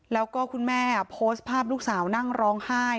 แล้วก็คุณแม่โพสต์ภาพลูกสาวนั่งร้องไห้